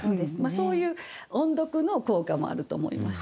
そういう音読の効果もあると思います。